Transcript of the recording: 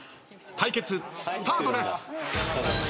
対決スタートです！